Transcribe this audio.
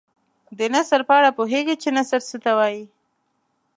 د نثر په اړه پوهیږئ چې نثر څه ته وايي.